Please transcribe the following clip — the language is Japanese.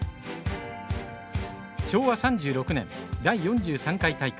昭和３６年、第４３回大会。